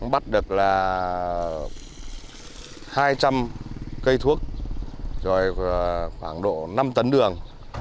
bắt được là hai trăm linh cây thuốc khoảng độ năm tấn đường